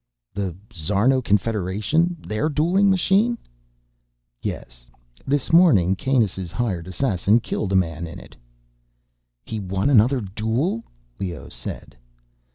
"The Szarno Confederation? Their dueling machine?" "Yes. This morning Kanus' hired assassin killed a man in it." "He won another duel," Leoh said.